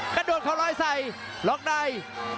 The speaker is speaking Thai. ขนดวนเขารอยใส่ล็อคได้